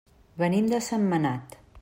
Venim de Sentmenat.